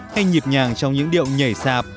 hay nhịp nhàng trong những điệu nhảy sạp